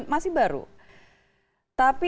masih baru tapi